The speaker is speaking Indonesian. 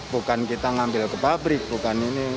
bukan kita ngambil ke pabrik bukan ini